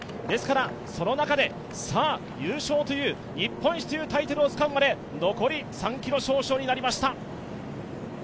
ですからその中で優勝という日本一というタイトルをつかむまで残り３ｋｍ少々になりました。